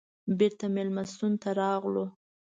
بېرته مېلمستون ته راغلو.